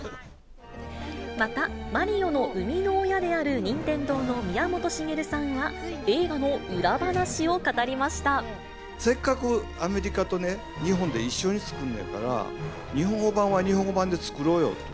また、マリオの生みの親である任天堂の宮本茂さんは、映画の裏話を語りせっかくアメリカとね、日本で一緒に作るんやから、日本語版は日本語版で作ろうよと。